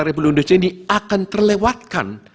republik indonesia ini akan terlewatkan